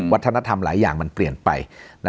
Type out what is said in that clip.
วัฒนธรรมหลายอย่างมันเปลี่ยนไป